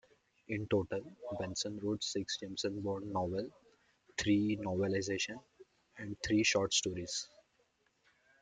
In total, Benson wrote six James Bond novels, three novelizations, and three short stories.